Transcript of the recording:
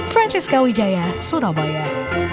francisca wijaya surabaya